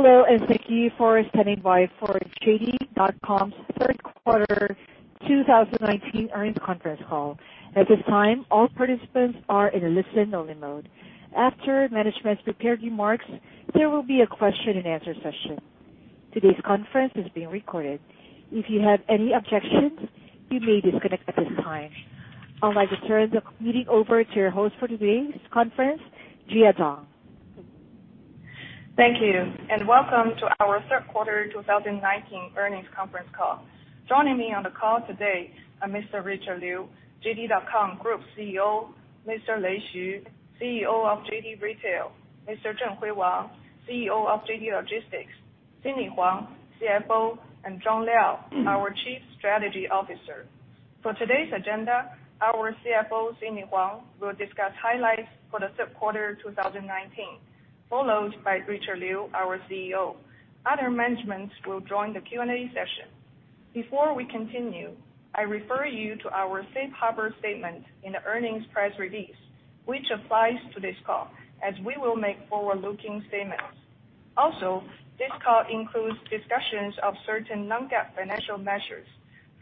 Hello, and thank you for standing by for JD.com's third quarter 2019 earnings conference call. At this time, all participants are in a listen only mode. After management's prepared remarks, there will be a question and answer session. Today's conference is being recorded. If you have any objections, you may disconnect at this time. I'd like to turn the meeting over to your host for today's conference, Jia Dong. Thank you, and welcome to our third quarter 2019 earnings conference call. Joining me on the call today are Mr. Richard Liu, JD.com Group CEO, Mr. Lei Xu, CEO of JD Retail, Mr. Zhenhui Wang, CEO of JD Logistics, Sidney Huang, CFO, and Jon Liao, our Chief Strategy Officer. For today's agenda, our CFO, Sidney Huang, will discuss highlights for the third quarter 2019, followed by Richard Liu, our CEO. Other managements will join the Q&A session. Before we continue, I refer you to our safe harbor statement in the earnings press release, which applies to this call, as we will make forward-looking statements. Also, this call includes discussions of certain non-GAAP financial measures.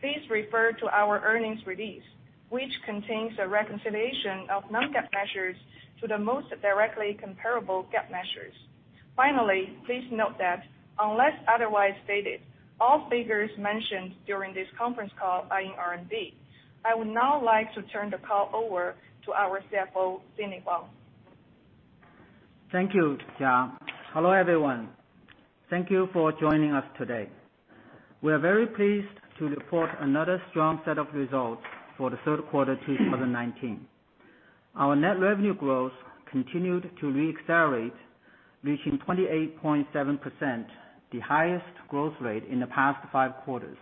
Please refer to our earnings release, which contains a reconciliation of non-GAAP measures to the most directly comparable GAAP measures. Finally, please note that unless otherwise stated, all figures mentioned during this conference call are in CNY. I would now like to turn the call over to our CFO, Sidney Huang. Thank you, Jia. Hello, everyone. Thank you for joining us today. We are very pleased to report another strong set of results for the third quarter 2019. Our net revenue growth continued to re-accelerate, reaching 28.7%, the highest growth rate in the past five quarters,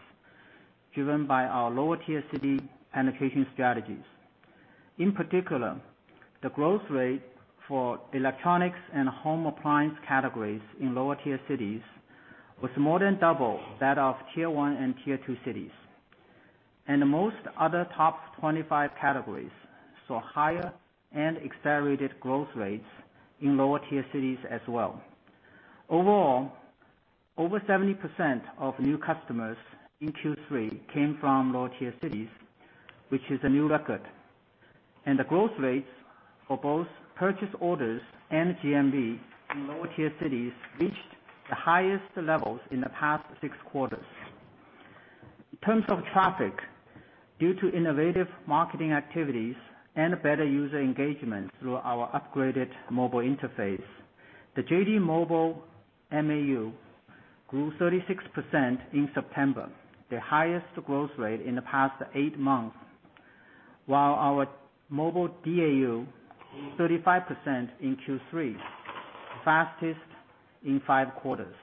driven by our lower tier city allocation strategies. In particular, the growth rate for electronics and home appliance categories in lower tier cities was more than double that of tier 1 and tier 2 cities. Most other top 25 categories saw higher and accelerated growth rates in lower tier cities as well. Overall, over 70% of new customers in Q3 came from lower tier cities, which is a new record. The growth rates for both purchase orders and GMV in lower tier cities reached the highest levels in the past six quarters. In terms of traffic, due to innovative marketing activities and better user engagement through our upgraded mobile interface, the JD Mobile MAU grew 36% in September, the highest growth rate in the past eight months, while our mobile DAU 35% in Q3, fastest in five quarters.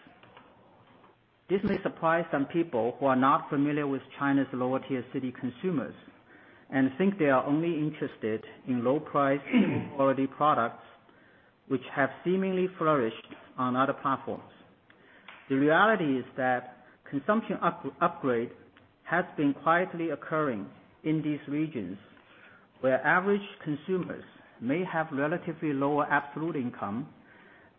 This may surprise some people who are not familiar with China's lower-tier city consumers and think they are only interested in low price, good quality products, which have seemingly flourished on other platforms. The reality is that consumption upgrade has been quietly occurring in these regions, where average consumers may have relatively lower absolute income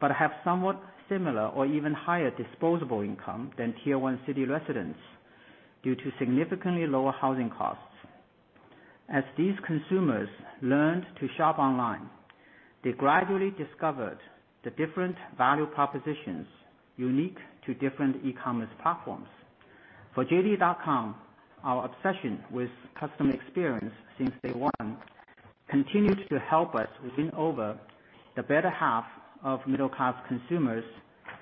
but have somewhat similar or even higher disposable income than tier 1 city residents due to significantly lower housing costs. As these consumers learned to shop online, they gradually discovered the different value propositions unique to different e-commerce platforms. For JD.com, our obsession with customer experience since day one continued to help us win over the better half of middle-class consumers,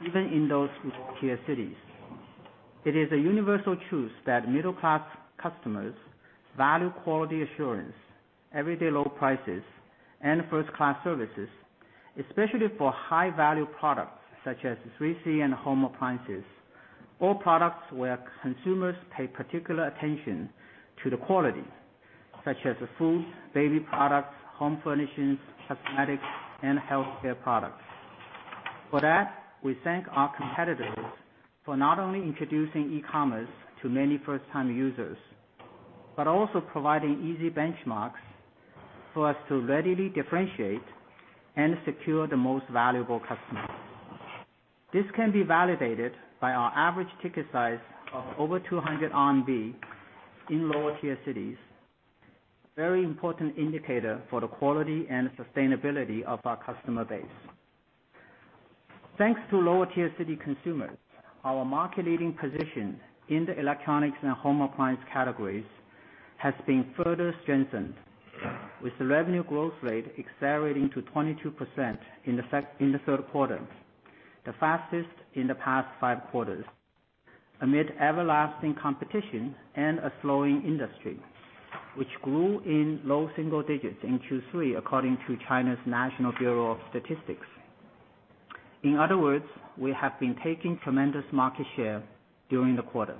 even in those lower-tier cities. It is a universal truth that middle-class customers value quality assurance, everyday low prices, and first-class services, especially for high-value products such as 3C and home appliances, or products where consumers pay particular attention to the quality, such as food, baby products, home furnishings, cosmetics, and healthcare products. For that, we thank our competitors for not only introducing e-commerce to many first-time users but also providing easy benchmarks for us to readily differentiate and secure the most valuable customers. This can be validated by our average ticket size of over 200 RMB in lower-tier cities, very important indicator for the quality and sustainability of our customer base. Thanks to lower-tier city consumers, our market-leading position in the electronics and home appliance categories has been further strengthened with the revenue growth rate accelerating to 22% in the third quarter, the fastest in the past five quarters, amid everlasting competition and a slowing industry, which grew in low single digits in Q3 according to China's National Bureau of Statistics. In other words, we have been taking tremendous market share during the quarter.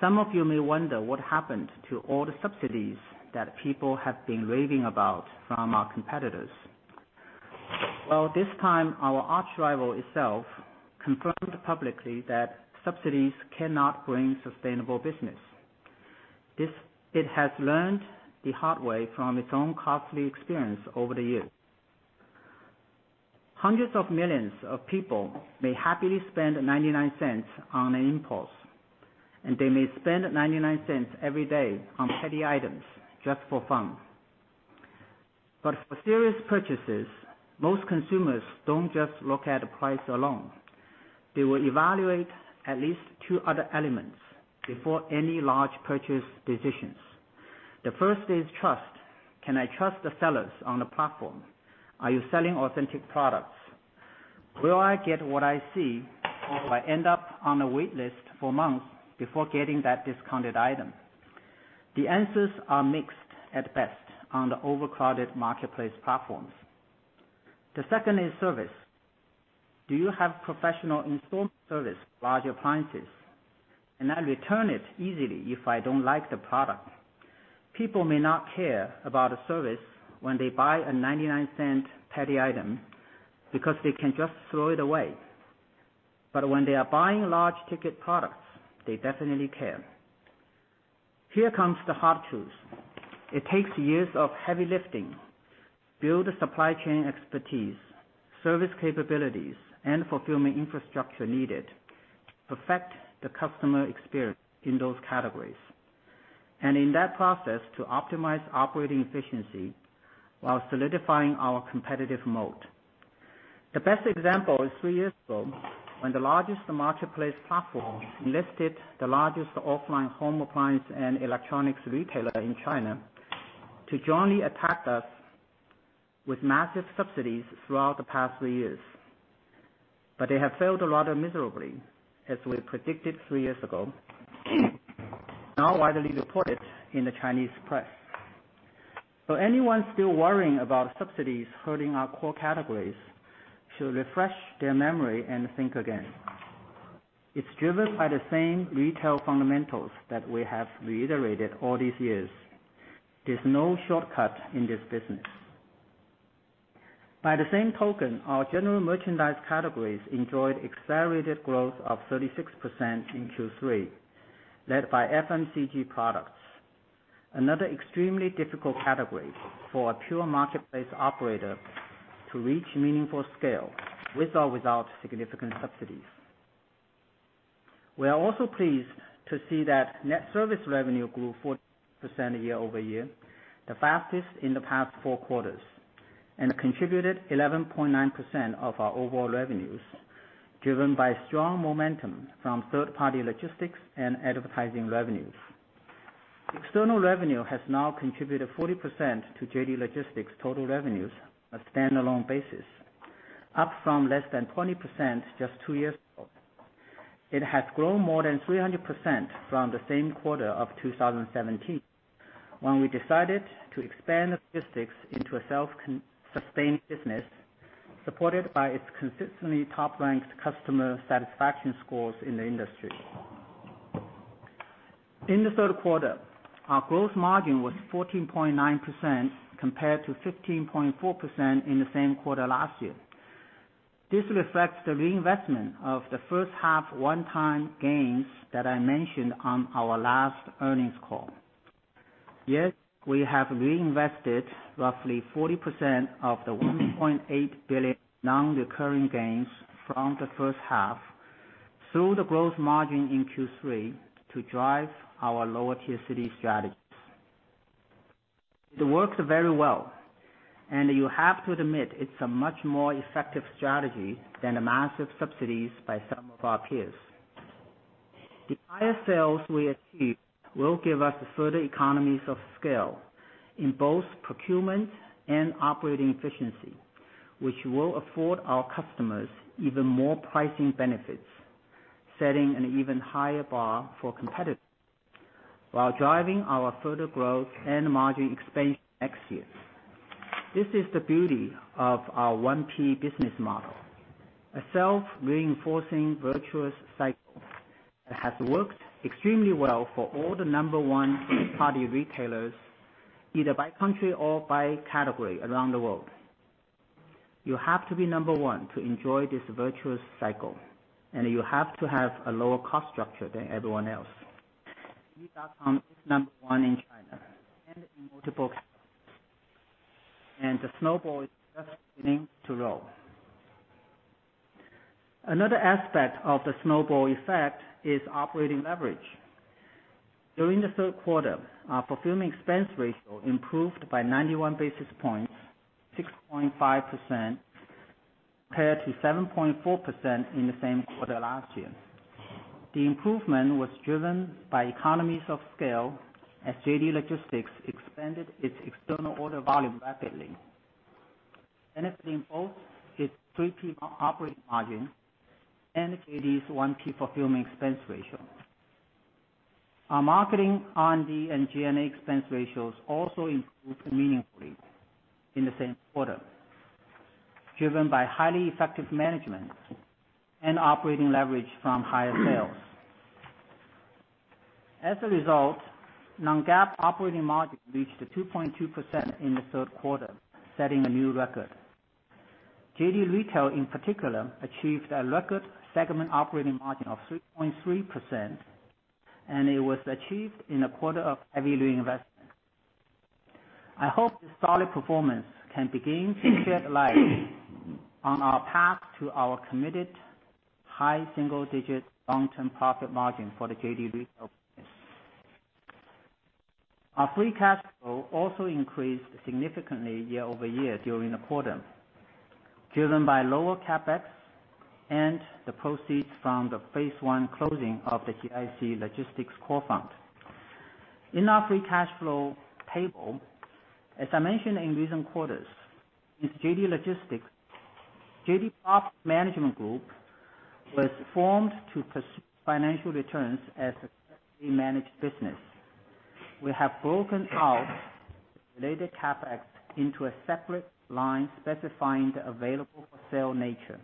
Some of you may wonder what happened to all the subsidies that people have been raving about from our competitors. Well, this time our archrival itself confirmed publicly that subsidies cannot bring sustainable business. It has learned the hard way from its own costly experience over the years. Hundreds of millions of people may happily spend 0.99 on an impulse, and they may spend 0.99 every day on petty items just for fun. For serious purchases, most consumers don't just look at the price alone. They will evaluate at least two other elements before any large purchase decisions. The first is trust. Can I trust the sellers on the platform? Are you selling authentic products? Will I get what I see, or will I end up on a wait list for months before getting that discounted item? The answers are mixed at best on the overcrowded marketplace platforms. The second is service. Do you have professional install service for large appliances? Can I return it easily if I don't like the product? People may not care about a service when they buy a 0.99 item because they can just throw it away. When they are buying large ticket products, they definitely care. Here comes the hard truth. It takes years of heavy lifting to build the supply chain expertise, service capabilities, and fulfillment infrastructure needed to perfect the customer experience in those categories. In that process, to optimize operating efficiency while solidifying our competitive mode. The best example is three years ago, when the largest marketplace platform listed the largest offline home appliance and electronics retailer in China to jointly attack us with massive subsidies throughout the past three years. They have failed rather miserably, as we predicted three years ago, now widely reported in the Chinese press. Anyone still worrying about subsidies hurting our core categories should refresh their memory and think again. It's driven by the same retail fundamentals that we have reiterated all these years. There's no shortcut in this business. By the same token, our general merchandise categories enjoyed accelerated growth of 36% in Q3, led by FMCG products. Another extremely difficult category for a pure marketplace operator to reach meaningful scale, with or without significant subsidies. We are also pleased to see that net service revenue grew 14% year-over-year, the fastest in the past four quarters, and contributed 11.9% of our overall revenues, driven by strong momentum from third-party logistics and advertising revenues. External revenue has now contributed 40% to JD Logistics' total revenues, a stand-alone basis, up from less than 20% just two years ago. It has grown more than 300% from the same quarter of 2017, when we decided to expand logistics into a self-sustained business supported by its consistently top-ranked customer satisfaction scores in the industry. In the third quarter, our growth margin was 14.9% compared to 15.4% in the same quarter last year. This reflects the reinvestment of the first half one-time gains that I mentioned on our last earnings call. Yes, we have reinvested roughly 40% of the $1.8 billion non-recurring gains from the first half through the gross margin in Q3 to drive our lower-tier city strategies. It works very well, and you have to admit it's a much more effective strategy than the massive subsidies by some of our peers. The higher sales we achieve will give us further economies of scale in both procurement and operating efficiency, which will afford our customers even more pricing benefits, setting an even higher bar for competitors while driving our further growth and margin expansion next year. This is the beauty of our 1P business model, a self-reinforcing virtuous cycle that has worked extremely well for all the number 1 third-party retailers, either by country or by category around the world. You have to be number one to enjoy this virtuous cycle, and you have to have a lower cost structure than everyone else. JD.com is number one in China and in multiple categories. The snowball is just beginning to roll. Another aspect of the snowball effect is operating leverage. During the third quarter, our fulfillment expense ratio improved by 91 basis points, 6.5% compared to 7.4% in the same quarter last year. The improvement was driven by economies of scale as JD Logistics expanded its external order volume rapidly, benefiting both its 3P operating margin and JD's 1P fulfillment expense ratio. Our marketing on the G&A expense ratios also improved meaningfully in the same quarter, driven by highly effective management and operating leverage from higher sales. As a result, non-GAAP operating margin reached 2.2% in the third quarter, setting a new record. JD Retail in particular achieved a record segment operating margin of 3.3%. It was achieved in a quarter of heavy reinvestment. I hope this solid performance can begin to shed light on our path to our committed high single-digit long-term profit margin for the JD Retail business. Our free cash flow also increased significantly year-over-year during the quarter, driven by lower CapEx and the proceeds from the phase one closing of the JD Logistics Properties Core Fund. In our free cash flow table, as I mentioned in recent quarters, with JD Logistics, JD Property Management Group was formed to pursue financial returns as a separately managed business. We have broken out related CapEx into a separate line specifying the available-for-sale nature,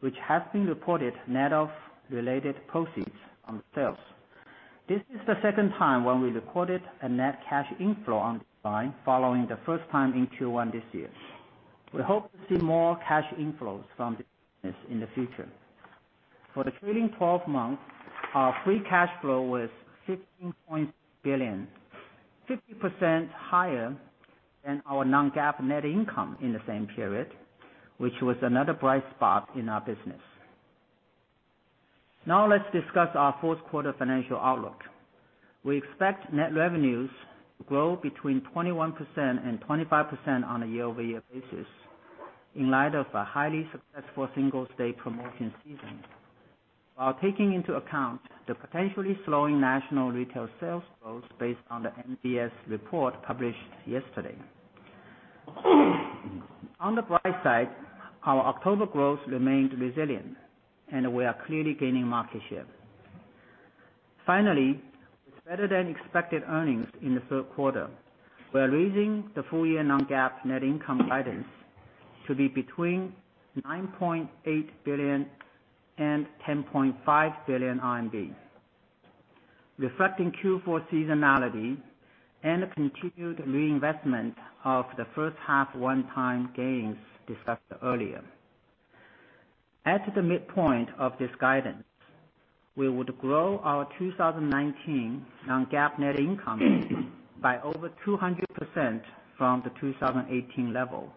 which has been reported net of related proceeds on the sales. This is the second time when we recorded a net cash inflow on this line following the first time in Q1 this year. We hope to see more cash inflows from this business in the future. For the trailing 12 months, our free cash flow was $15.8 billion, 50% higher than our non-GAAP net income in the same period, which was another bright spot in our business. Now let's discuss our fourth quarter financial outlook. We expect net revenues to grow between 21% and 25% on a year-over-year basis in light of a highly successful Singles Day promotion season, while taking into account the potentially slowing national retail sales growth based on the NBS report published yesterday. On the bright side, our October growth remained resilient, and we are clearly gaining market share. Finally, with better-than-expected earnings in the third quarter, we are raising the full-year non-GAAP net income guidance to be between 9.8 billion and 10.5 billion RMB, reflecting Q4 seasonality and the continued reinvestment of the first half one-time gains discussed earlier. At the midpoint of this guidance, we would grow our 2019 non-GAAP net income by over 200% from the 2018 level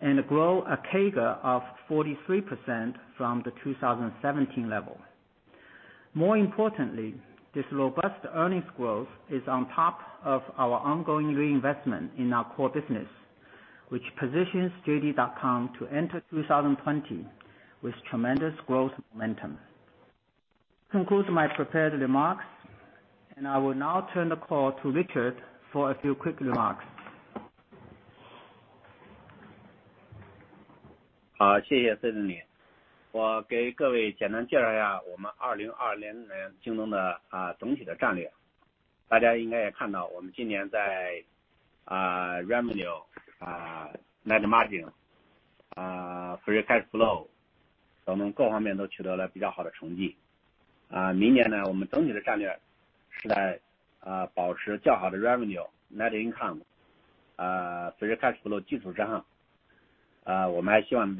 and grow a CAGR of 43% from the 2017 level. More importantly, this robust earnings growth is on top of our ongoing reinvestment in our core business, which positions JD.com to enter 2020 with tremendous growth momentum. This concludes my prepared remarks, I will now turn the call to Richard for a few quick remarks. Yes. Okay. Thank you, Sidney. Hello, everyone. I would like to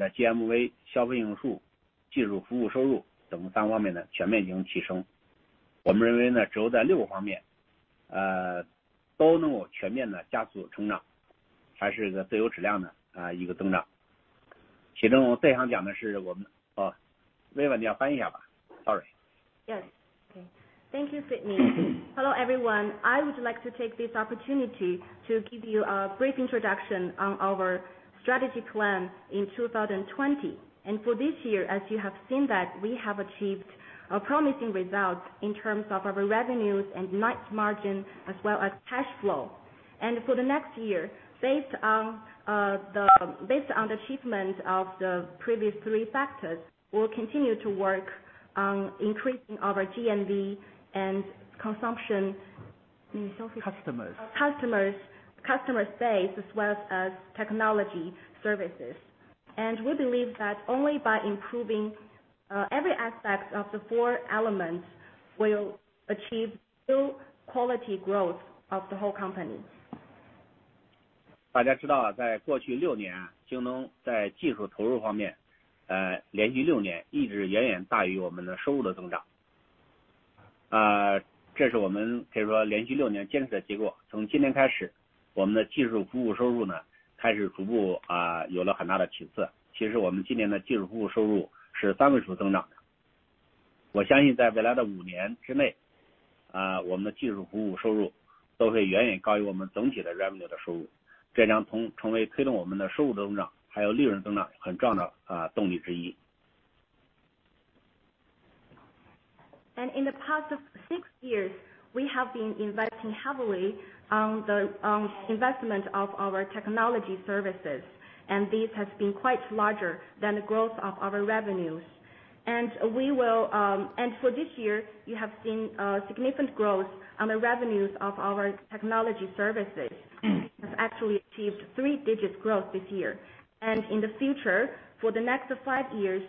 take this opportunity to give you a brief introduction on our strategy plan in 2020. For this year, as you have seen that we have achieved promising results in terms of our revenues and net margin, as well as cash flow. For the next year, based on the achievement of the previous three factors, we'll continue to work on increasing our GMV and consumption- Customers customers, customer base, as well as technology services. We believe that only by improving every aspect of the four elements will achieve true quality growth of the whole company. In the past six years, we have been investing heavily on the investment of our technology services, and this has been quite larger than the growth of our revenues. For this year, you have seen significant growth on the revenues of our technology services, has actually achieved three-digit growth this year. In the future, for the next five years,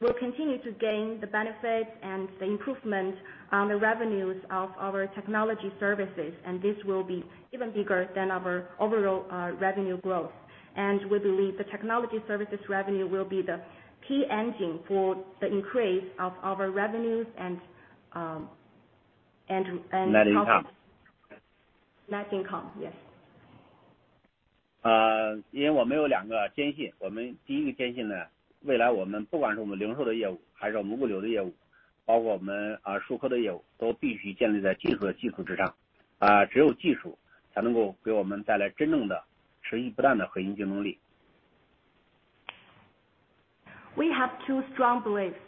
We'll continue to gain the benefit and the improvement on the revenues of our technology services, and this will be even bigger than our overall revenue growth. We believe the technology services revenue will be the key engine for the increase of our revenues and Net income. Net income. Yes. 因为我们有两个坚信。我们第一个坚信，未来不管是我们零售的业务，还是我们物流的业务，包括我们数科的业务，都必须建立在技术的基础上。只有技术才能够给我们带来真正的、持续不断的核心竞争力。We have two strong beliefs.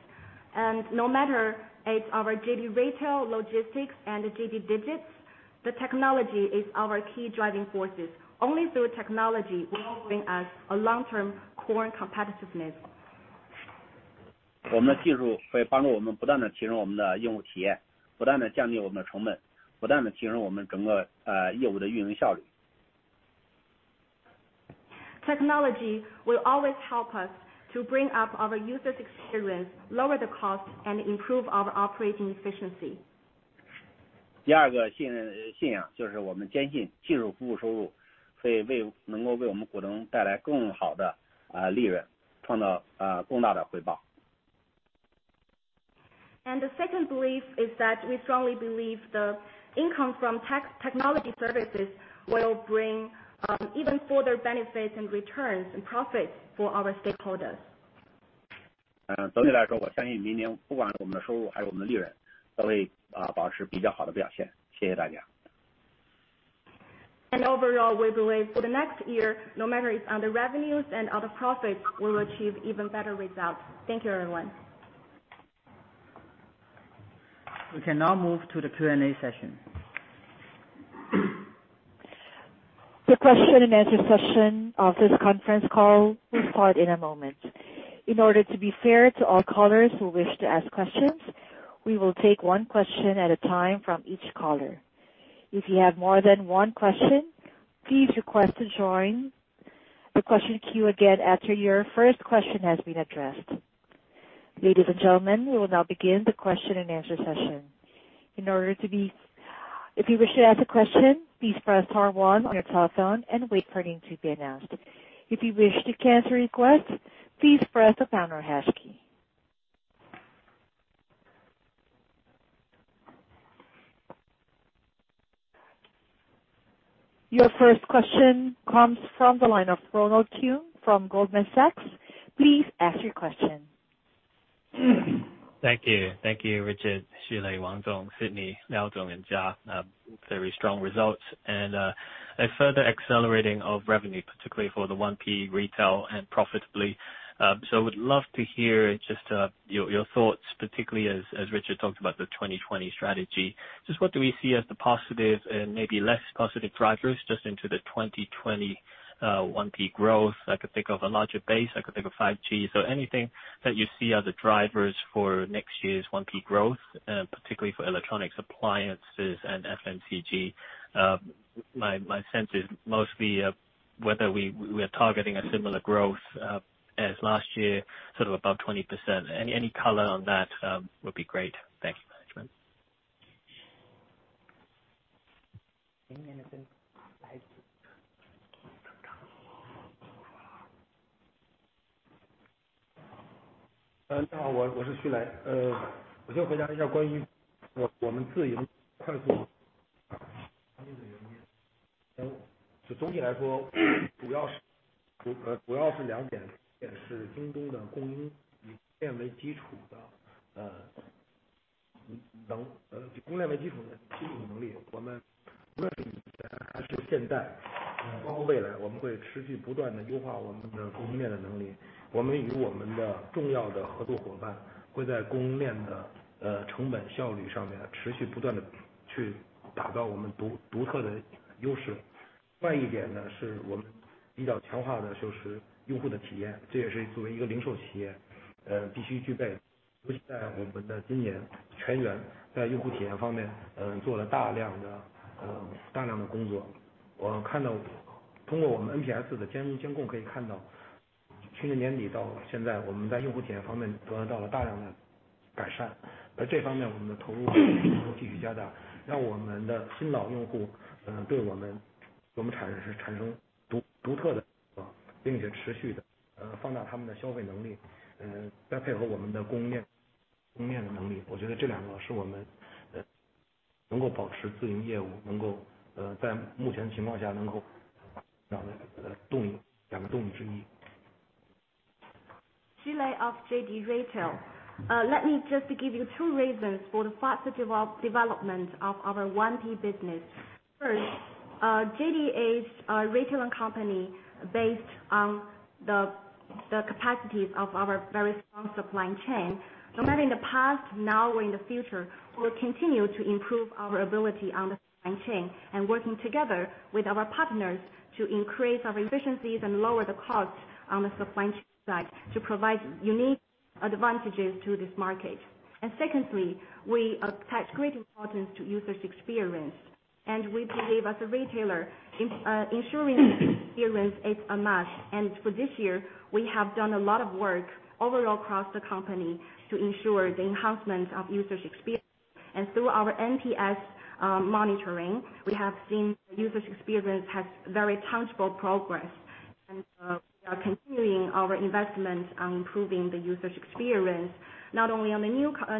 No matter it's our JD Retail, Logistics, and JD Digits, the technology is our key driving forces. Only through technology will bring us a long-term core competitiveness. 我们的技术会帮助我们不断地提升我们的用户体验，不断地降低我们的成本，不断地提升我们整个业务的运营效率。Technology will always help us to bring up our users' experience, lower the cost, and improve our operating efficiency. 第二个信仰就是我们坚信技术服务收入能够为我们股东带来更好的利润，创造更大的回报。The second belief is that we strongly believe the income from technology services will bring even further benefits, returns, and profits for our stakeholders. 总体来说，我相信明年不管我们的收入还有我们的利润都会保持比较好的表现。谢谢大家。Overall, we believe for the next year, no matter it's under revenues and other profits, we will achieve even better results. Thank you, everyone. We can now move to the Q&A session. The question-and-answer session of this conference call will start in a moment. In order to be fair to all callers who wish to ask questions, we will take one question at a time from each caller. If you have more than one question, please request to join the question queue again after your first question has been addressed. Ladies and gentlemen, we will now begin the question-and-answer session. If you wish to ask a question, please press star one on your telephone and wait for your name to be announced. If you wish to cancel your request, please press the pound or hash key. Your first question comes from the line of Ronald Keung from Goldman Sachs. Please ask your question. Thank you. Thank you, Richard, Xu Lei, Zhenhui Wang, Sidney Huang, Liao Zhong, and Jia Dong. Very strong results and a further accelerating of revenue, particularly for the 1P retail and profitably. I would love to hear your thoughts, particularly as Richard talked about the 2020 strategy. Just what do we see as the positive and maybe less positive drivers into the 2020 1P growth? I could think of a larger base, I could think of 5G. Anything that you see are the drivers for next year's 1P growth, particularly for electronics, appliances, and FMCG. My sense is mostly whether we are targeting a similar growth as last year, sort of above 20%. Any color on that would be great. Thank you, management. Xu Lei of JD Retail. Let me just give you two reasons for the faster development of our 1P business. First, JD is a retail and company based on the capacities of our very strong supply chain. No matter in the past, now or in the future, we will continue to improve our ability on the supply chain and working together with our partners to increase our efficiencies and lower the cost on the supply chain side to provide unique advantages to this market. Secondly, we attach great importance to users' experience. We believe as a retailer, ensuring experience is a must. For this year, we have done a lot of work overall across the company to ensure the enhancement of user experience. Through our NPS monitoring, we have seen user experience has very tangible progress. We are continuing our investment on improving the user experience, not only on the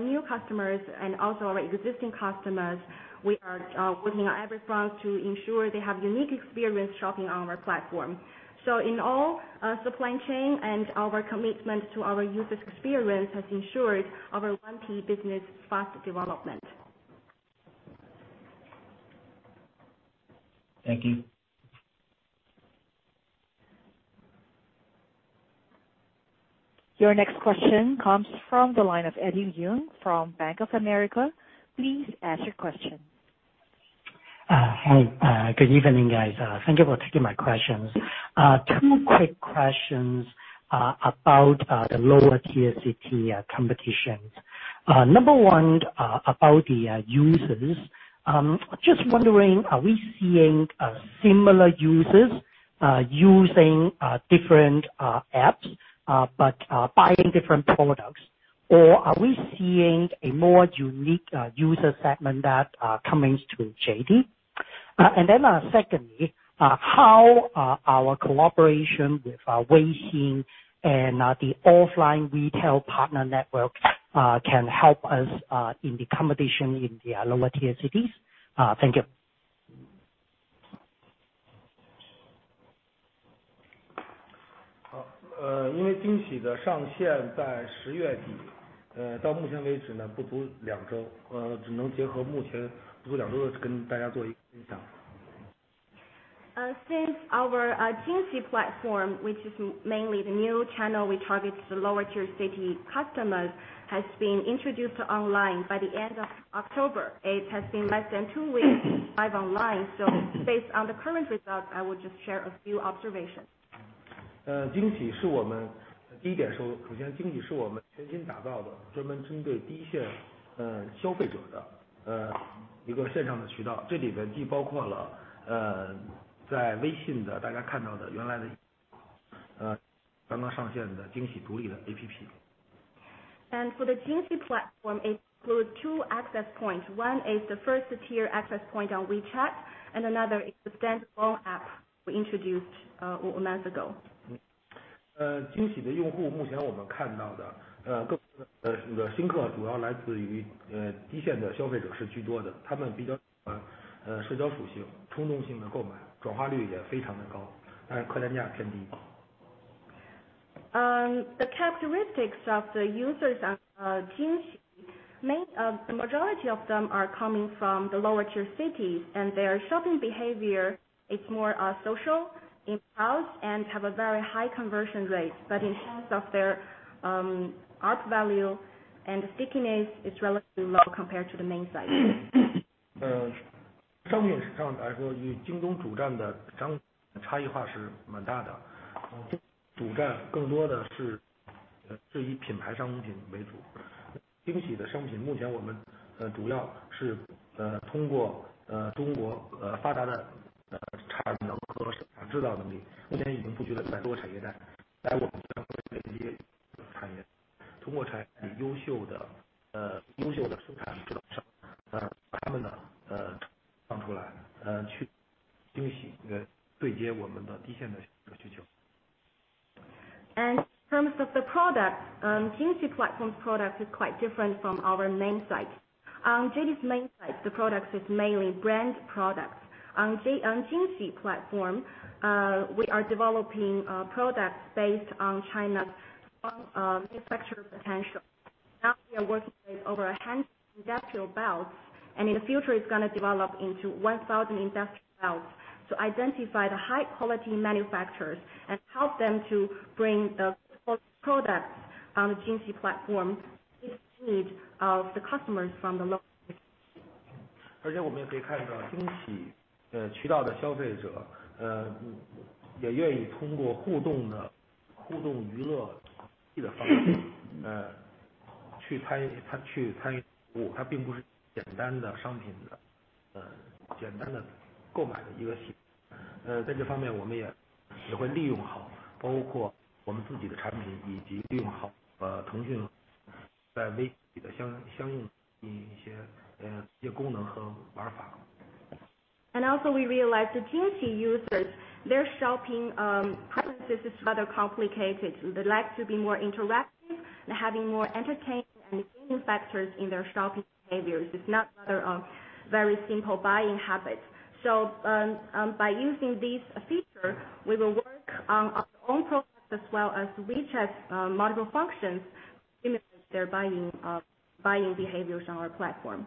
new customers and also our existing customers. We are working on every front to ensure they have unique experience shopping on our platform. In all, supply chain and our commitment to our user experience has ensured our 1P business fast development. Thank you. Your next question comes from the line of Eddie Leung from Bank of America. Please ask your question. Hi. Good evening, guys. Thank you for taking my questions. Two quick questions about the lower tier city competitions. Number one, about the users. Just wondering, are we seeing similar users using different apps but buying different products, or are we seeing a more unique user segment that comes to JD? Secondly, how our collaboration with Weixin and the offline retail partner network can help us in the competition in the lower tier cities. Thank you. Since our Jingxi platform, which is mainly the new channel we target to the lower tier city customers, has been introduced online by the end of October. It has been less than two weeks live online. Based on the current results, I will just share a few observations. For the Jingxi platform, it includes two access points. One is the first-tier access point on WeChat, and another is the standalone app we introduced a month ago. The characteristics of the users on Jingxi, the majority of them are coming from the lower tier cities, and their shopping behavior, it's more social, impulse, and have a very high conversion rate. In terms of their ARPU and stickiness, it's relatively low compared to the main site. In terms of the product, Jingxi platform product is quite different from our main site. On JD's main site, the product is mainly brand products. On Jingxi platform, we are developing products based on China's manufacturer potential. Now we are working with over 100 industrial belts, and in the future it's going to develop into 1,000 industrial belts to identify the high-quality manufacturers and help them to bring the products on the Jingxi platform to meet the needs of the customers from the low. Also we realized the Jingxi users, their shopping preferences is rather complicated. They like to be more interactive and having more entertainment and game factors in their shopping behaviors. It's not rather very simple buying habits. By using this feature, we will work on our own products as well as WeChat module functions to stimulate their buying behaviors on our platform.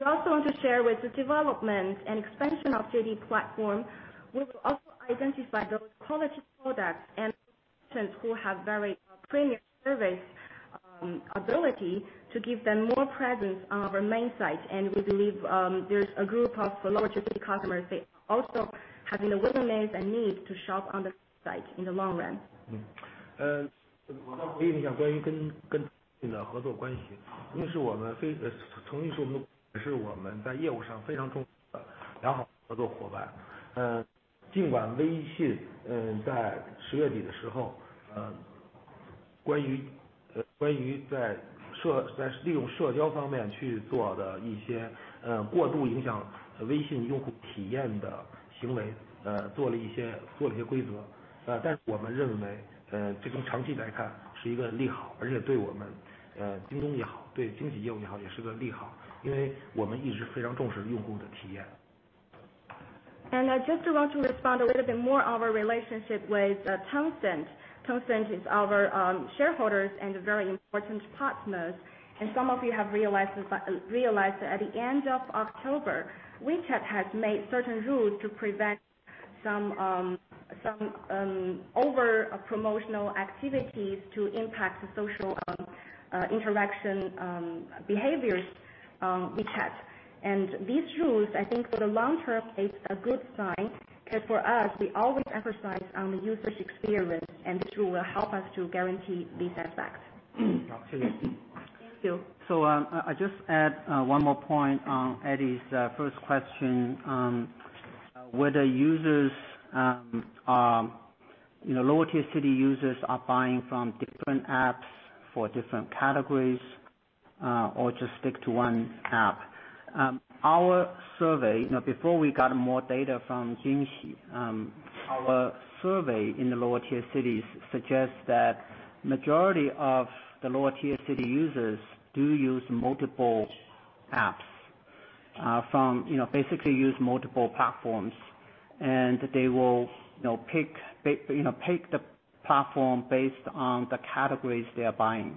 We also want to share with the development and expansion of JD platform. We will also identify those quality products and customers who have very premier service ability to give them more presence on our main site. We believe there's a group of lower-tier city customers that also have the willingness and need to shop on the site in the long run. Just want to respond a little bit more our relationship with Tencent. Tencent is our shareholder and a very important partner. Some of you have realized that at the end of October, WeChat has made certain rules to prevent some over-promotional activities to impact the social interaction behaviors of WeChat. These rules, I think for the long term, it's a good sign, because for us, we always emphasize on the user's experience, and this will help us to guarantee these aspects. Thank you. I just add one more point on Eddie's first question. Whether lower-tier city users are buying from different apps for different categories or just stick to one app. Before we got more data from Jingxi, our survey in the lower-tier cities suggests that majority of the lower-tier city users do use multiple apps. Basically use multiple platforms, and they will pick the platform based on the categories they are buying.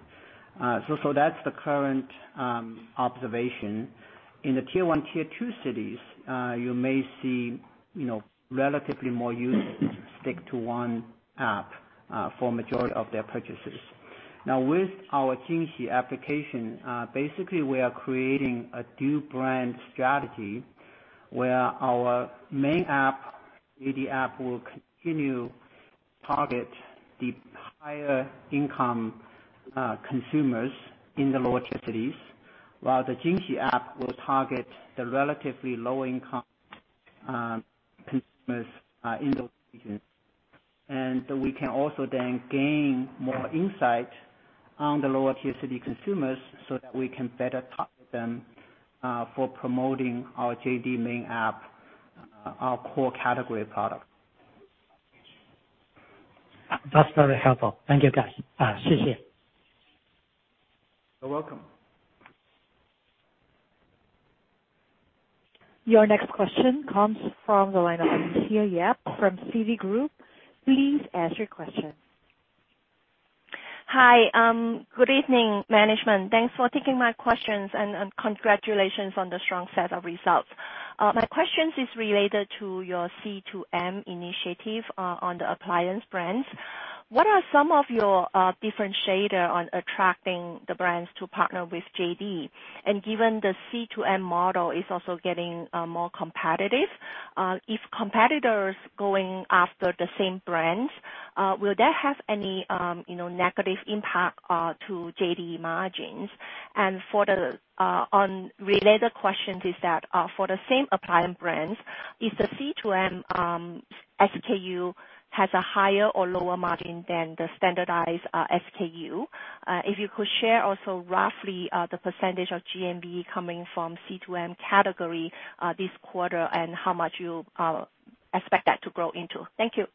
That's the current observation. In the tier 1, tier 2 cities, you may see relatively more users stick to one app for majority of their purchases. Now with our Jingxi application, basically we are creating a dual-brand strategy where our main app, JD app, will continue to target the higher income consumers in the lower-tier cities, while the Jingxi app will target the relatively low-income consumers in those regions. we can also then gain more insight on the lower-tier city consumers so that we can better target them for promoting our JD main app, our core category product. That's very helpful. Thank you, guys. You're welcome. Your next question comes from the line of Alicia Yap from Citigroup. Please ask your question. Hi. Good evening, management. Thanks for taking my questions, and congratulations on the strong set of results. My questions is related to your C2M initiative on the appliance brands. What are some of your differentiator on attracting the brands to partner with JD? Given the C2M model is also getting more competitive, if competitors going after the same brands, will that have any negative impact to JD margins? On related questions is that, for the same appliance brands, is the C2M SKU has a higher or lower margin than the standardized SKU? If you could share also roughly the percentage of GMV coming from C2M category this quarter and how much you expect that to grow into. Thank you.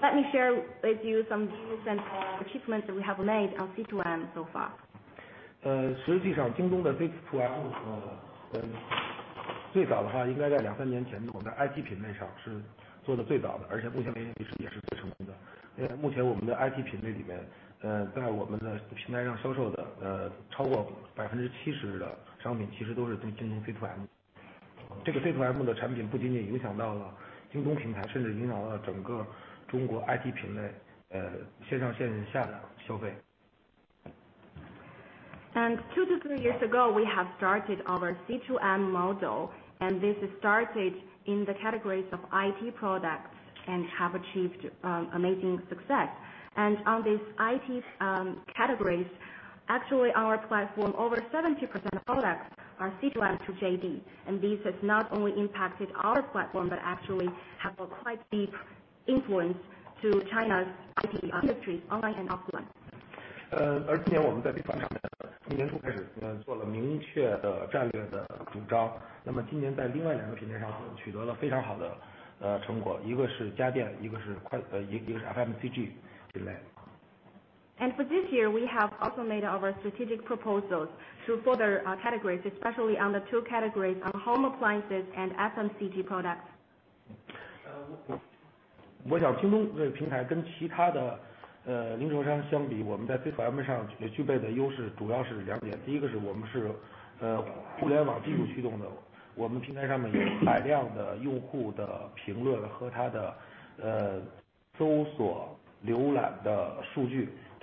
Let me share with you some views and achievements that we have made on C2M so far. Two to three years ago, we have started our C2M model, and this started in the categories of IT products and have achieved amazing success. On these IT categories, actually our platform, over 70% of products are C2M to JD. This has not only impacted our platform, but actually have a quite deep influence to China's IT industry, online and offline. For this year, we have also made our strategic proposals to further our categories, especially on the 2 categories of home appliances and FMCG products.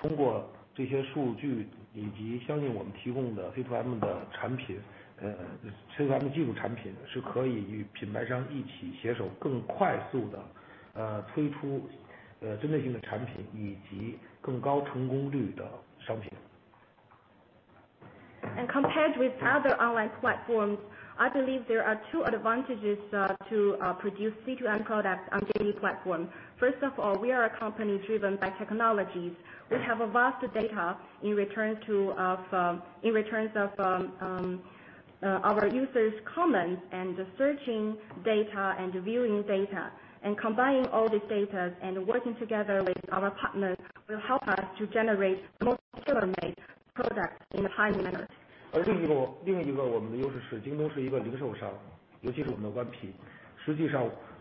我想京东这个平台跟其他的零售商相比，我们在C2M上具备的优势主要是两点。第一个是我们是互联网技术驱动的，我们平台上面有海量的用户的评论和他的搜索浏览的数据。通过这些数据以及相信我们提供的C2M的技术产品，是可以与品牌商一起携手，更快速地推出针对性的产品，以及更高成功率的商品。Compared with other online platforms, I believe there are two advantages to produce C2M products on JD platform. First of all, we are a company driven by technologies. We have vast data in returns of our users comments and the searching data and viewing data. Combining all this data and working together with our partners will help us to generate more tailor-made products in a timely manner.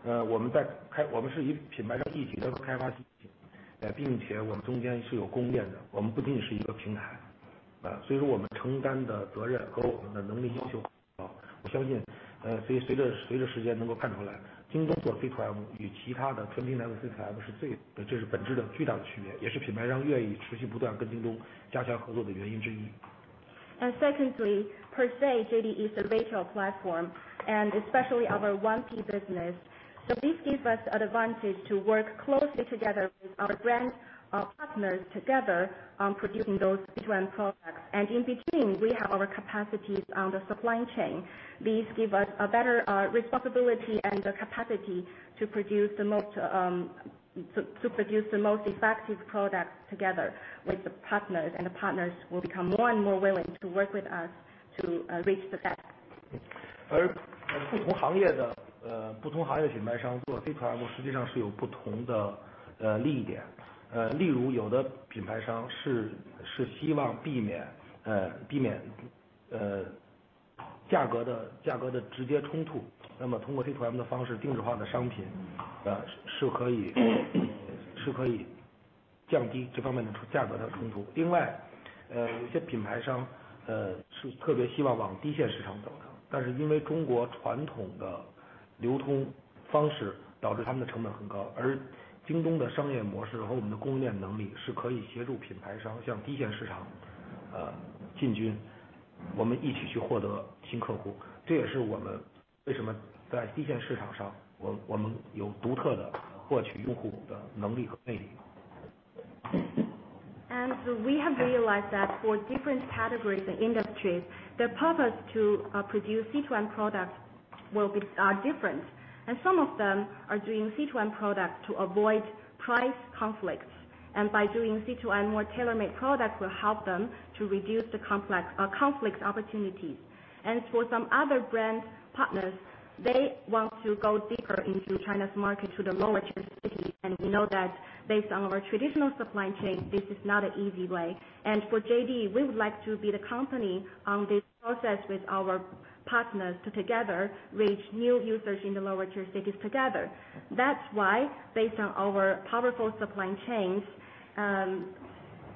而另一个我们的优势是京东是一个零售商，尤其是我们的1P。实际上，我们是以品牌商一起的开发，并且我们中间是有供应链的，我们不仅是一个平台。所以说我们承担的责任和我们的能力要求很高。我相信随着时间能够看出来，京东做C2M与其他的纯平台的C2M本质上的巨大区别，也是品牌商愿意持续不断跟京东加强合作的原因之一。Secondly, per se, JD is a retail platform and especially our 1P business. This gives us advantage to work closely together with our brand partners together on producing those C2M products. In between, we have our capacities on the supply chain. These give us a better responsibility and the capacity to produce the most effective products together with the partners. The partners will become more and more willing to work with us to reach the best. We have realized that for different categories and industries, their purpose to produce C2M products are different, and some of them are doing C2M products to avoid price conflicts. By doing C2M, more tailormade products will help them to reduce the conflict opportunities. For some other brand partners, they want to go deeper into China's market to the lower tier cities. We know that based on our traditional supply chain, this is not an easy way. For JD, we would like to be the company on this process with our partners to together reach new users in the lower tier cities together. That's why based on our powerful supply chains,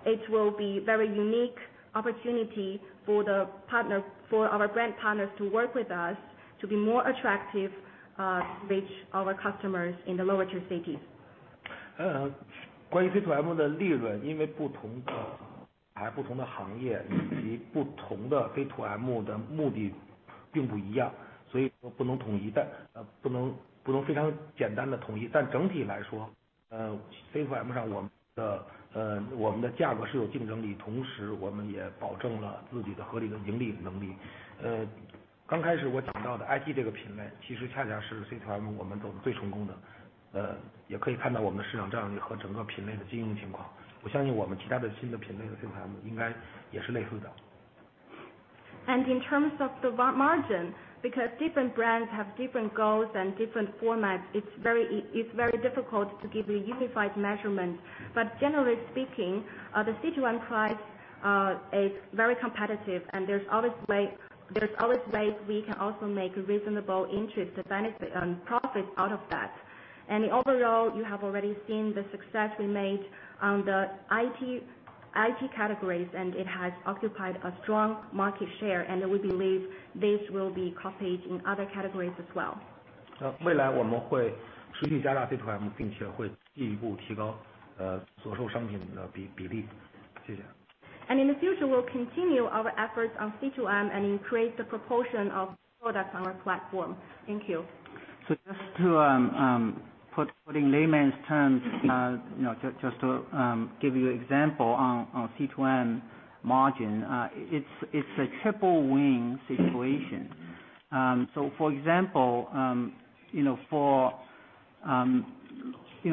it will be very unique opportunity for our brand partners to work with us to be more attractive to reach our customers in the lower tier cities. In terms of the margin, because different brands have different goals and different formats, it's very difficult to give a unified measurement. Generally speaking, the C2M price is very competitive and there's always ways we can also make reasonable interest and profit out of that. In overall, you have already seen the success we made on the IT categories, and it has occupied a strong market share, and we believe this will be copied in other categories as well. 未来我们会持续加大C2M，并且会进一步提高所售商品的比例。谢谢。In the future, we'll continue our efforts on C2M and increase the proportion of products on our platform. Thank you. Just to put in layman's terms, just to give you example on C2M margin, it's a triple win situation. For example,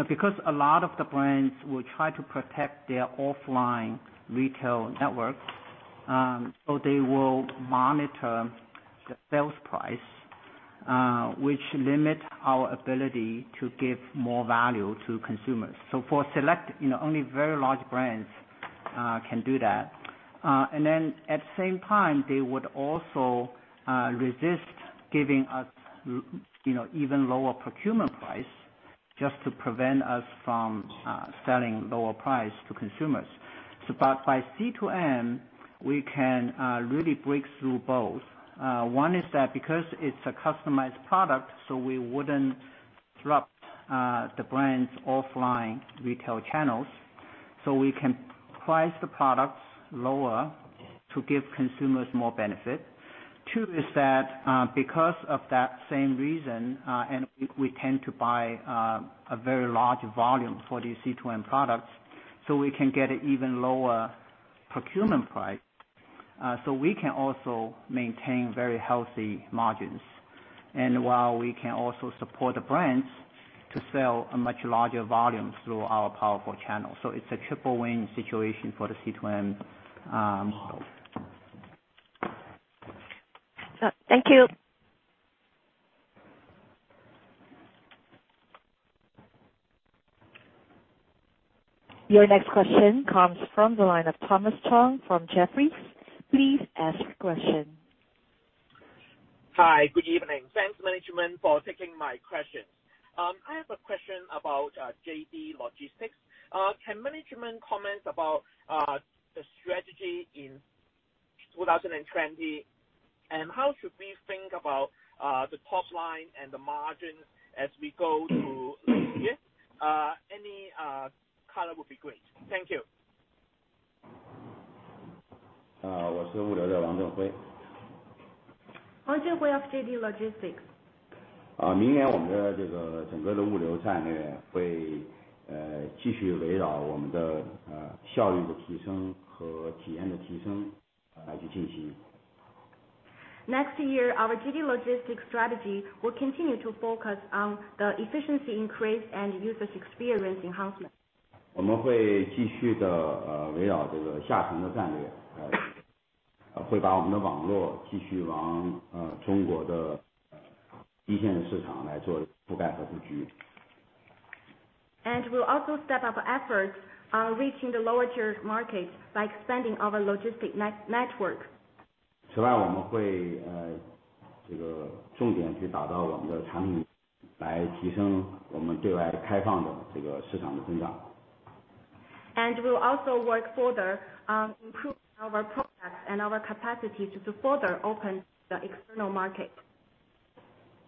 because a lot of the brands will try to protect their offline retail network, so they will monitor the sales price, which limit our ability to give more value to consumers. For select, only very large brands can do that. At the same time, they would also resist giving us even lower procurement price just to prevent us from selling lower price to consumers. By C2M, we can really break through both. One is that because it's a customized product, so we wouldn't disrupt the brand's offline retail channels, so we can price the products lower to give consumers more benefit. Two is that, because of that same reason, we tend to buy a very large volume for these C2M products, so we can get an even lower procurement price. We can also maintain very healthy margins. While we can also support the brands to sell a much larger volume through our powerful channel. It's a triple-win situation for the C2M. Thank you. Your next question comes from the line of Thomas Chong from Jefferies. Please ask question. Hi. Good evening. Thanks management for taking my question. I have a question about JD Logistics. Can management comment about the strategy in 2020, and how should we think about the top line and the margin as we go through this year? Any color would be great. Thank you. Wang Zhenhui of JD Logistics. Next year, our JD Logistics strategy will continue to focus on the efficiency increase and user's experience enhancement. We'll also step up efforts on reaching the lower-tier markets by expanding our logistic network. We'll also work further on improving our products and our capacity to further open the external market.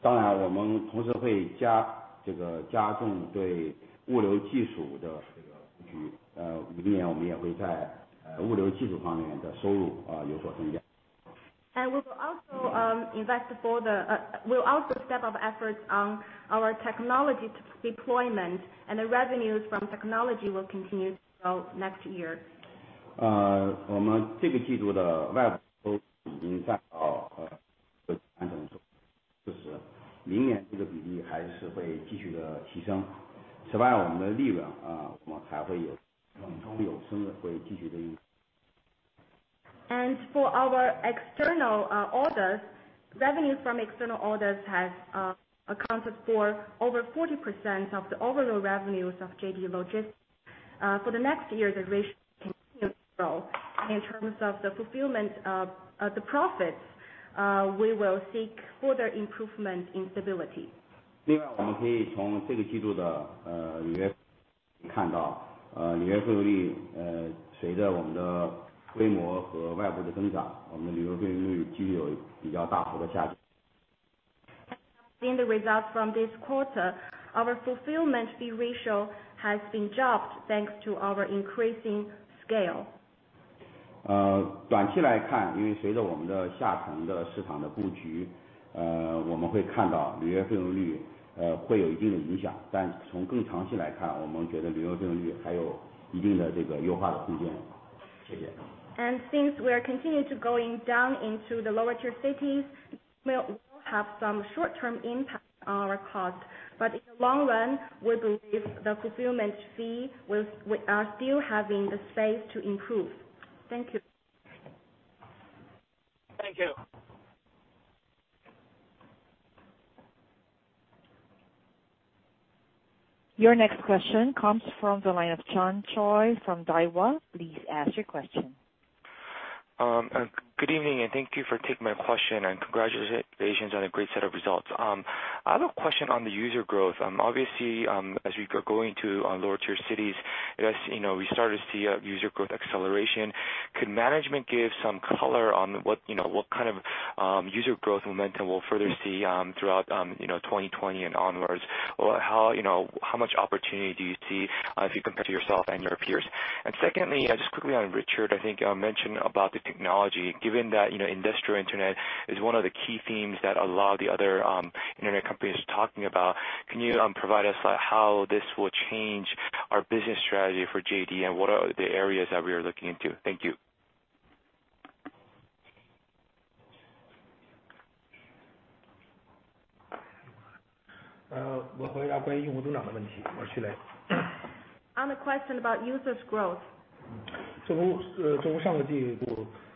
We'll also step up efforts on our technology deployment, and the revenues from technology will continue to grow next year. For our external orders, revenue from external orders has accounted for over 40% of the overall revenues of JD Logistics. For the next year, the ratio grow in terms of the fulfillment of the profits, we will seek further improvement in stability. In the results from this quarter, our fulfillment fee ratio has been dropped thanks to our increasing scale. Since we are continuing to going down into the lower-tier cities, we'll have some short-term impact on our cost. In the long run, we believe the fulfillment fee are still having the space to improve. Thank you. Thank you. Your next question comes from the line of John Choi from Daiwa. Please ask your question. Good evening, thank you for taking my question and congratulations on a great set of results. I have a question on the user growth. Obviously, as we are going on lower-tier cities, we started to see user growth acceleration. Could management give some color on what kind of user growth momentum we'll further see throughout 2020 and onwards? How much opportunity do you see if you compare to yourself and your peers? Secondly, just quickly on Richard, I think, mention about the technology, given that industrial internet is one of the key themes that a lot of the other internet companies are talking about. Can you provide us how this will change our business strategy for JD and what are the areas that we are looking into? Thank you. 我回答关于用户增长的问题。我徐雷。On the question about users growth.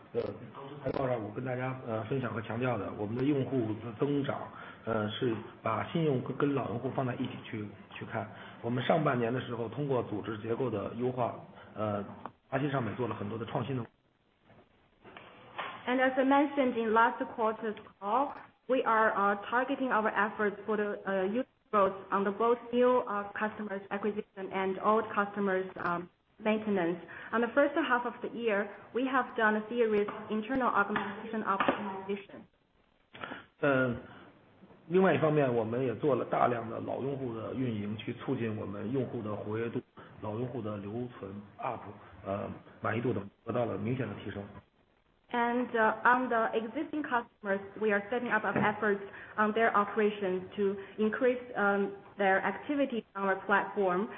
就如上个季度当时报道，我跟大家分享和强调的，我们的用户增长是把新用户跟老用户放在一起去看。我们上半年的时候，通过组织结构的优化，产品上面做了很多的创新的。As I mentioned in last quarter's call, we are targeting our efforts for the users growth on both new customers acquisition and old customers maintenance. On the first half of the year, we have done a series internal optimization. 另外一方面，我们也做了大量的老用户的运营，去促进我们用户的活跃度，老用户的留存、ARPU、满意度等得到了明显的提升。On the existing customers, we are setting up efforts on their operations to increase their activity on our platform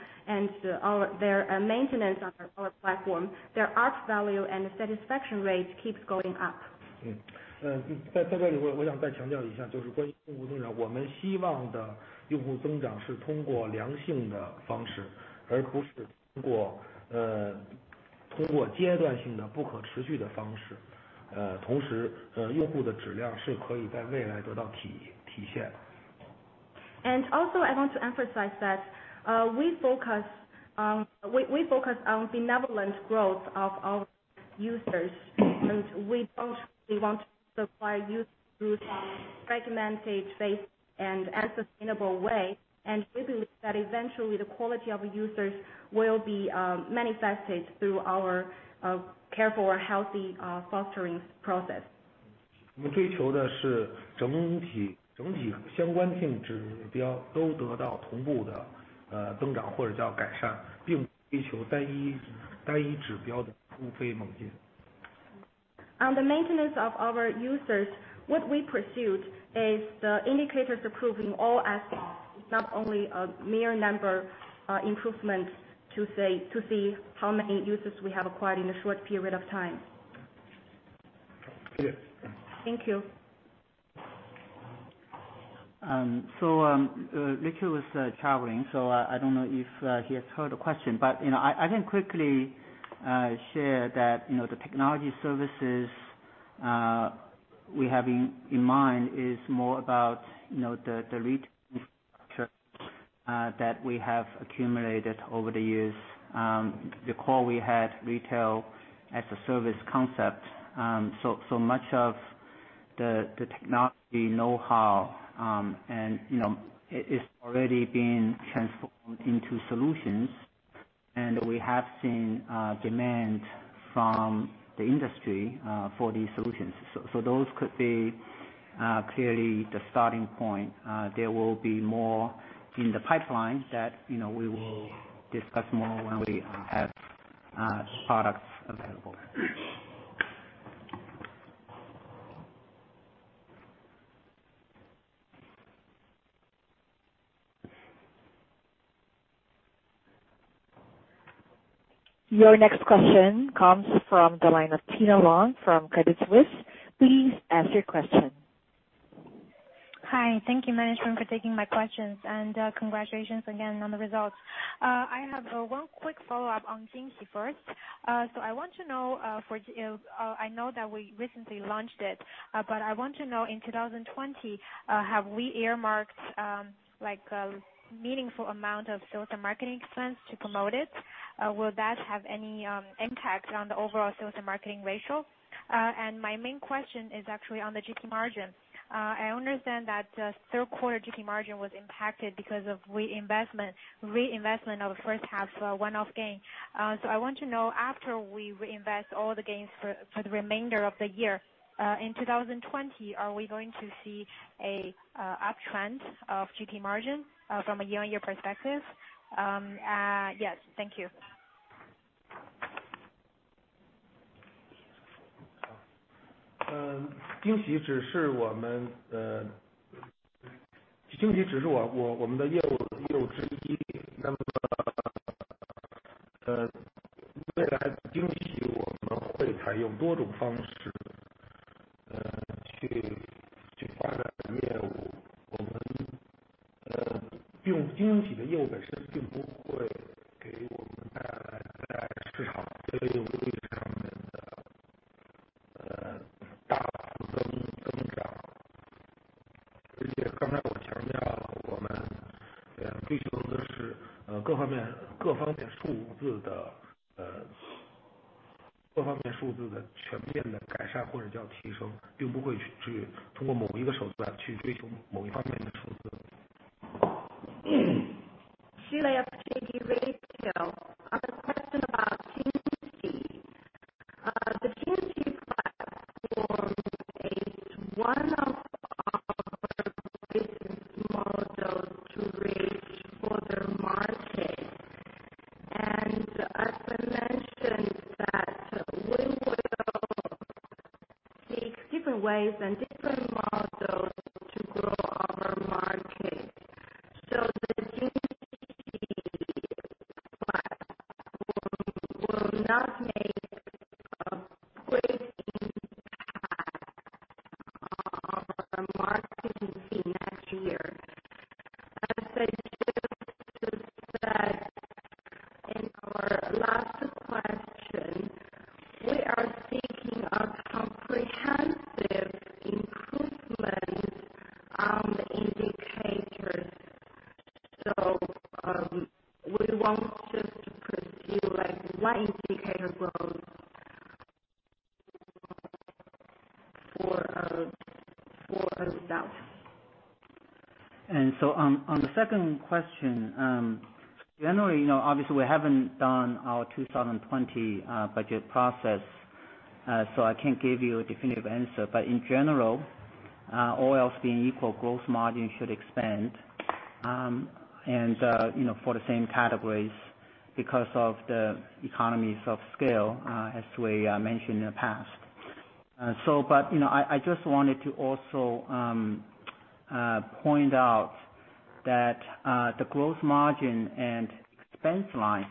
and their maintenance on our platform, their ARC value and satisfaction rate keeps going up. 在这里我想再强调一下，就是关于用户增长，我们希望的用户增长是通过良性的方式，而不是通过阶段性的不可持续的方式。同时，用户的质量是可以在未来得到体现的。Also I want to emphasize that we focus on benevolent growth of our users. We don't really want to supply users through a fragmented way and unsustainable way. We believe that eventually the quality of users will be manifested through our care for healthy fostering process. 我们追求的是整体相关性指标都得到同步的增长，或者叫改善，并不追求单一指标的突飞猛进。On the maintenance of our users, what we pursue is the indicators improving all aspects, not only a mere number improvement to see how many users we have acquired in a short period of time. Yes. Thank you. Ricky was traveling, so I don't know if he has heard the question, but I can quickly share that the technology services we have in mind is more about the retail that we have accumulated over the years. The core we had retail as a service concept, so much of the technology know-how and it's already been transformed into solutions, and we have seen demand from the industry for these solutions. Those could be clearly the starting point. There will be more in the pipeline that we will discuss more when we have products available. Your next question comes from the line of Tina Long from Credit Suisse. Please ask your question. Hi, thank you management for taking my questions, and congratulations again on the results. I have one quick follow-up on Jingxi first. I know that we recently launched it. I want to know in 2020, have we earmarked a meaningful amount of sales and marketing expense to promote it? Will that have any impact on the overall sales and marketing ratio? My main question is actually on the GP margin. I understand that third quarter GP margin was impacted because of reinvestment of first half one-off gain. I want to know, after we reinvest all the gains for the remainder of the year, in 2020, are we going to see an uptrend of GP margin from a year-on-year perspective? Yes, thank you. 京喜只是我们的业务之一。那么未来京喜我们会采用多种方式去发展业务。京喜的业务本身并不会给我们带来市场地位上面的大幅增长。而且刚才我强调了，我们追求的是各方面数字的全面改善，或者叫提升，并不会去通过某一个手段去追求某一方面的数字。Lei Xu, CEO, JD Retail. On the question about Jingxi. The Jingxi platform is one of our business models to reach further market. As I mentioned that we will take different ways and different models to grow our market. The Jingxi platform will not makeOn marketing next year. As I just said in our last question, we are seeking a comprehensive improvement on the indicators. We won't just pursue one indicator growth for ourselves. On the second question. Generally, obviously we haven't done our 2020 budget process, so I can't give you a definitive answer. In general, all else being equal, gross margin should expand for the same categories because of the economies of scale as we mentioned in the past. I just wanted to also point out that the gross margin and expense line,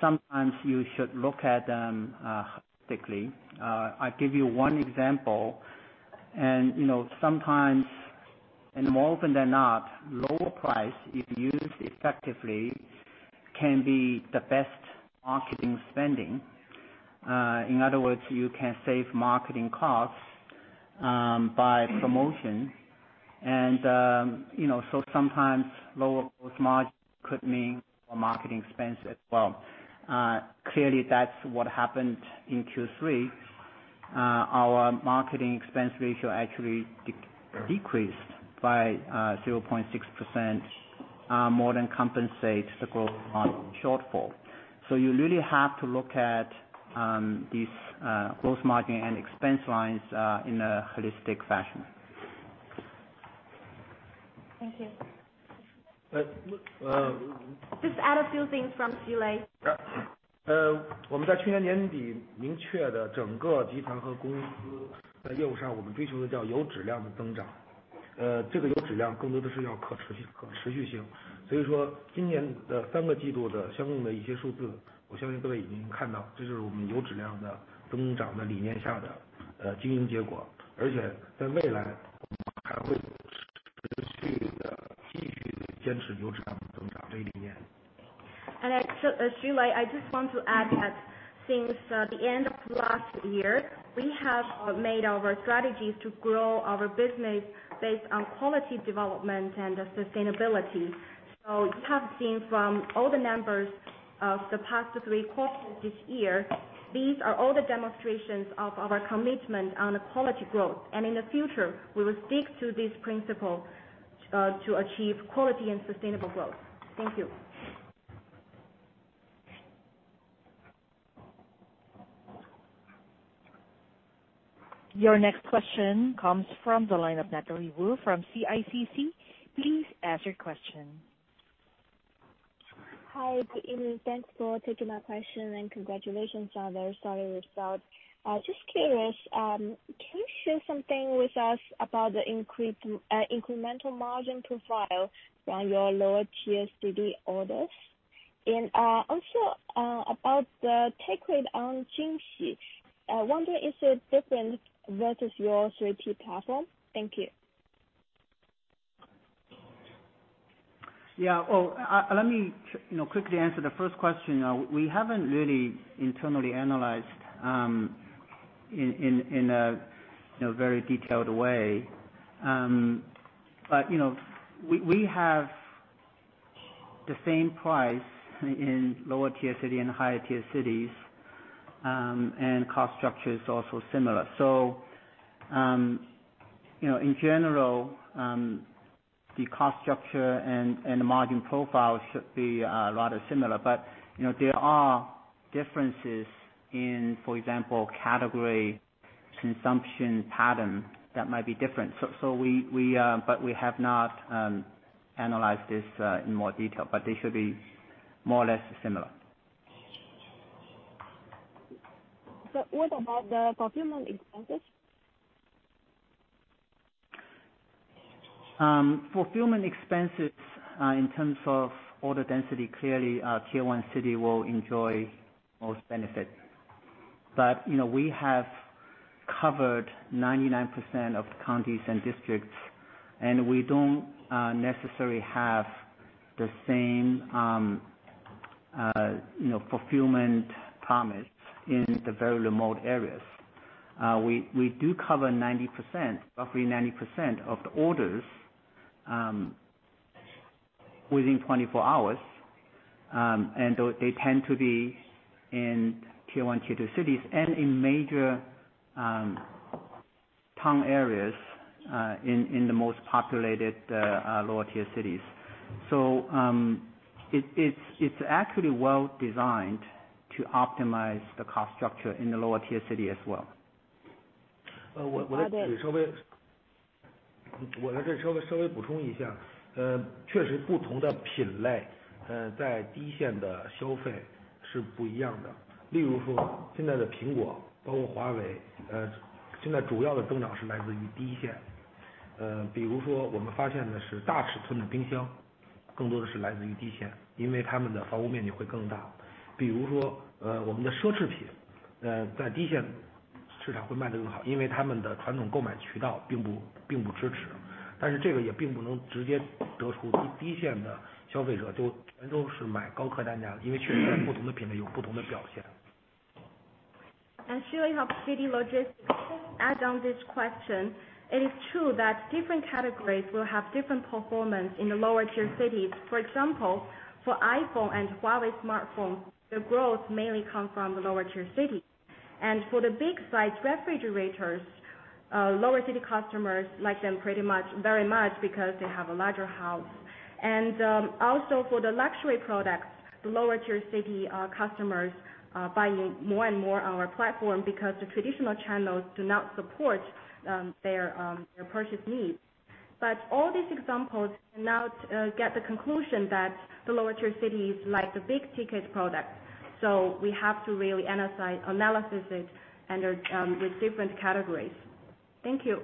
sometimes you should look at them holistically. I give you one example, and more often than not, lower price, if used effectively, can be the best marketing spending. In other words, you can save marketing costs by promotion. Sometimes lower gross margin could mean lower marketing expense as well. Clearly, that's what happened in Q3. Our marketing expense ratio actually decreased by 0.6% more than compensate the gross margin shortfall. You really have to look at these growth margin and expense lines in a holistic fashion. Thank you. Just add a few things from Xu Lei. Xu Lei, I just want to add that since the end of last year, we have made our strategies to grow our business based on quality development and sustainability. You have seen from all the members of the past three quarters this year, these are all the demonstrations of our commitment on the quality growth. In the future, we will stick to this principle to achieve quality and sustainable growth. Thank you. Your next question comes from the line of Natalie Wu from CICC. Please ask your question. Hi, good evening. Thanks for taking my question and congratulations on the solid result. Just curious, can you share something with us about the incremental margin profile from your lower tier city orders? Also about the take rate on Jingxi. I wonder is it different versus your 3P platform? Thank you. Let me quickly answer the first question. We have the same price in lower-tier city and higher-tier cities, and cost structure is also similar. In general, the cost structure and the margin profile should be a lot similar. There are differences in, for example, category consumption pattern that might be different. We have not analyzed this in more detail, but they should be more or less similar. What about the fulfillment expenses? Fulfillment expenses, in terms of order density, clearly, tier 1 city will enjoy most benefit. We have covered 99% of the counties and districts, and we don't necessarily have the same fulfillment promise in the very remote areas. We do cover 90%, roughly 90% of the orders within 24 hours. They tend to be in tier 1, tier 2 cities and in major town areas in the most populated lower tier cities. It's actually well-designed to optimize the cost structure in the lower tier city as well. Xu Lei of JD Logistics add on this question. It is true that different categories will have different performance in the lower-tier cities. For example, for iPhone and Huawei smartphone, the growth mainly come from the lower-tier cities. For the big-size refrigerators, lower city customers like them very much because they have a larger house. Also for the luxury products, lower-tier city customers buying more and more our platform because the traditional channels do not support their purchase needs. All these examples cannot get the conclusion that the lower-tier cities like the big-ticket products. We have to really analysis it with different categories. Thank you.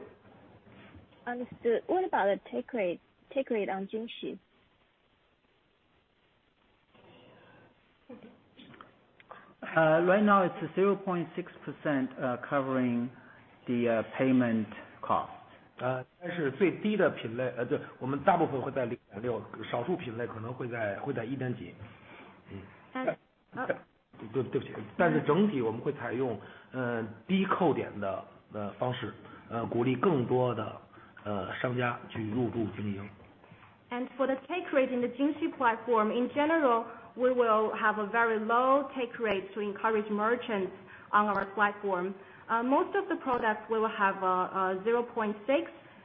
Understood. What about the take rate on Jingxi? Right now, it's 0.6% covering the payment cost. 它是最低的品类，我们大部分会在0.6，少数品类可能会在一点几。对不起。但是整体我们会采用低扣点的方式，鼓励更多的商家去入驻经营。For the take rate in the Jingxi platform, in general, we will have a very low take rate to encourage merchants on our platform. Most of the products will have 0.6,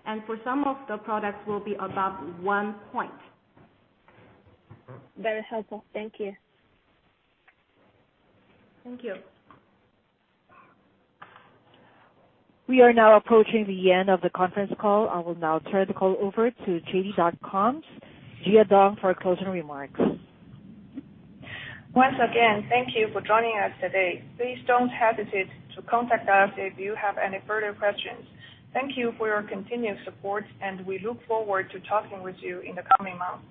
and for some of the products will be above 1 point. Very helpful. Thank you. Thank you. We are now approaching the end of the conference call. I will now turn the call over to JD.com's Jia Dong for closing remarks. Once again, thank you for joining us today. Please don't hesitate to contact us if you have any further questions. Thank you for your continued support and we look forward to talking with you in the coming months.